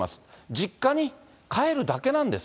実家に帰るだけなんです。